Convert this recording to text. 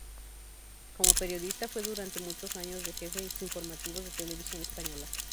Como periodista, fue durante muchos años jefe de Informativos de Televisión Española.